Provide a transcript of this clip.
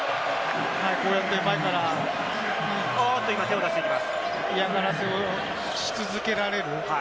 前からね、嫌がらせをし続けられる。